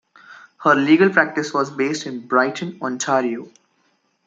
Her legal practice was based in Brighton, Ontario.